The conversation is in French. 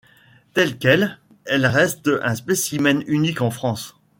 Telle quelle, elle reste un spécimen unique en France.